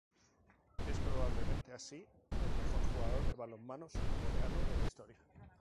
Es probablemente así, el mejor jugador de balonmano surcoreano de la historia.